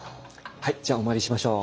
はいじゃあお参りしましょう。